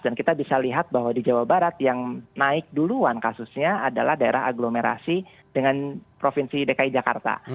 dan kita bisa lihat bahwa di jawa barat yang naik duluan kasusnya adalah daerah agglomerasi dengan provinsi dki jakarta